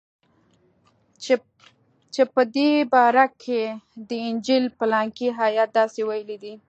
چې په دې باره کښې د انجيل پلانکى ايت داسې ويلي دي.